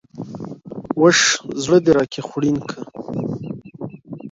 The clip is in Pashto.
وش ﺯړه د راکي خوړين که